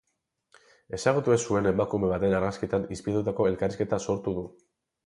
Ezagutu ez zuen emakume baten argazkietan inspiratutako elkarrizketa sortu du.